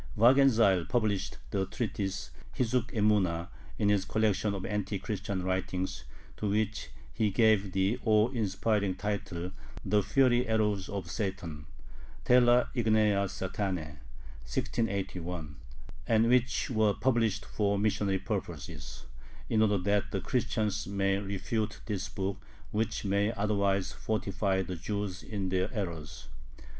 Wagenseil published the treatise Hizzuk Emuna in his collection of anti Christian writings, to which he gave the awe inspiring title "The Fiery Arrows of Satan" (Tela Ignea Satanae, 1681), and which were published for missionary purposes, "in order that the Christians may refute this book, which may otherwise fortify the Jews in their errors."